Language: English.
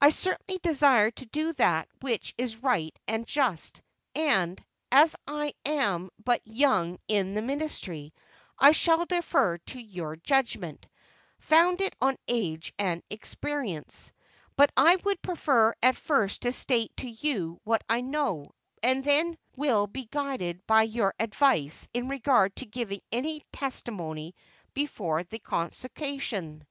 "I certainly desire to do that which is right and just; and, as I am but young in the ministry, I shall defer to your judgment, founded on age and experience. But I would prefer at first to state to you what I know, and then will be guided by your advice in regard to giving my testimony before the Consociation."